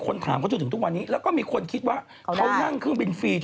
ใครไม่อยากได้